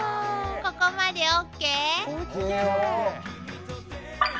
ここまでＯＫ？ＯＫ。